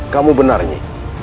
kamu benar nyi